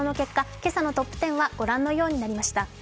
今朝のトップ１０はご覧のようになりました。